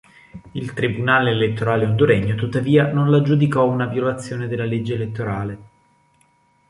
Il tribunale elettorale honduregno tuttavia non la giudicò una violazione della legge elettorale.